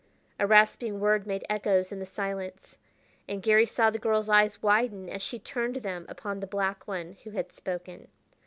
A rasping word made echoes in the silence, and Garry saw the girl's eyes widen as she turned them upon the black one, who had spoken.